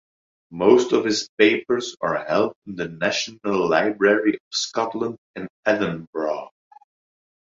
Most of his papers are held in the National Library of Scotland, in Edinburgh.